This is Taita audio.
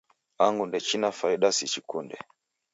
Angu ndechina faida sichikunde.